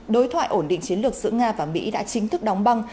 đối thoại ổn định chiến lược giữa nga và mỹ đã chính thức đóng băng